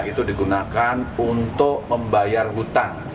itu digunakan untuk membayar hutang